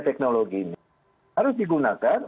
teknologi ini harus digunakan